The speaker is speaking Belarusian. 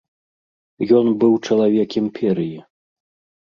Ён быў чалавек імперыі.